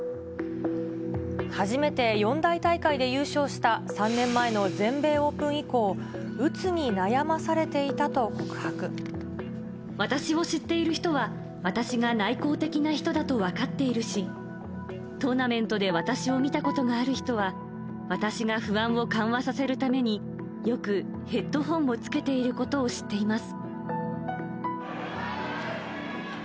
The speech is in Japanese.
初めて四大大会で優勝した３年前の全米オープン以降、私を知っている人は、私が内向的な人だと分かっているし、トーナメントで私を見たことがある人は、私が不安を緩和させるために、よくヘッドホンをつけていることを知っています。